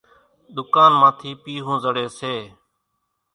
ۮُڪانَ مان ٿِي پيۿون زڙيَ سي۔